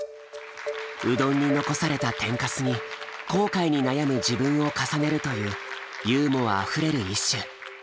うどんに残された天カスに後悔に悩む自分を重ねるというユーモアあふれる一首。